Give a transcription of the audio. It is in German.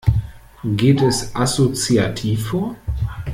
Geht es assoziativ vor?